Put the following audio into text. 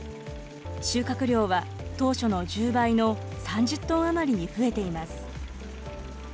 収穫量は当初の１０倍の３０トン余りに増えています。